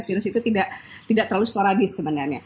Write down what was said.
virus itu tidak terlalu sporadis sebenarnya